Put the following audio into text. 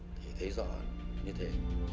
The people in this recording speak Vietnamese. thì thấy rõ như thế